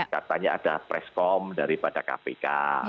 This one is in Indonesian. katanya ada preskom daripada kpk